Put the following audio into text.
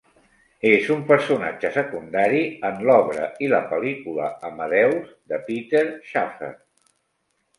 És un personatge secundari en l'obra i la pel·lícula "Amadeus", de Peter Shaffer.